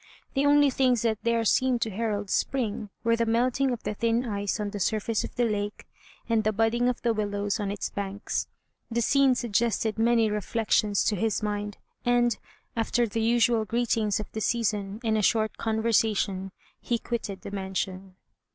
The only things that there seemed to herald spring, were the melting of the thin ice on the surface of the lake, and the budding of the willows on its banks. The scene suggested many reflections to his mind; and, after the usual greetings of the season, and a short conversation, he quitted the mansion.